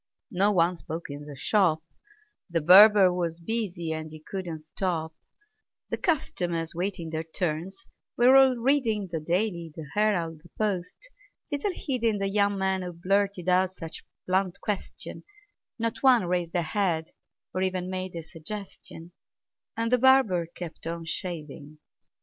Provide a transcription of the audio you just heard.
No one spoke in the shop: The barber was busy, and he couldn't stop; The customers, waiting their turns, were all reading The "Daily," the "Herald," the "Post," little heeding The young man who blurted out such a blunt question; Not one raised a head, or even made a suggestion; And the barber kept on shaving.